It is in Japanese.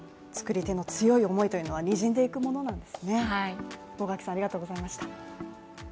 作り手の強い思いというのはにじんでいくものなんですね。